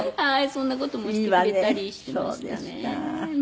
そんな事もしてくれたりしていましたね。